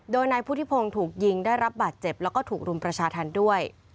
โดยนายพุทธิพงศ์ถูกยิงได้รับบาดเจ็บแล้วก็ถูกรุมประชาธรรมด้วย